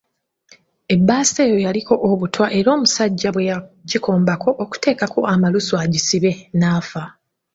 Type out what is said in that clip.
Ebbaasa eyo yaliko obutwa era omusajja bwe yagikombako okuteekako amalusu agisibe n’afa.